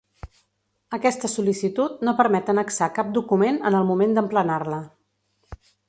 Aquesta sol·licitud no permet annexar cap document en el moment d'emplenar-la.